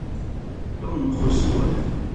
Sunqu suwa.